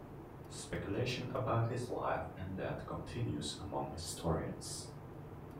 Speculation about his life and death continues among historians.